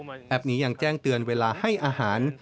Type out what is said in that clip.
แอปพลิเคชันนี้ยังแจ้งเตือนเวลาให้อาหาร